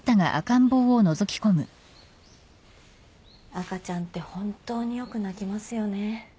赤ちゃんって本当によく泣きますよね。